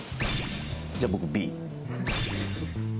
じゃあ僕Ｂ。